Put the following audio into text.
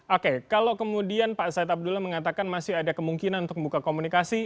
oke kalau kemudian pak said abdullah mengatakan masih ada kemungkinan untuk membuka komunikasi